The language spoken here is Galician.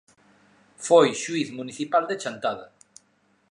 Foi xuíz municipal de Chantada.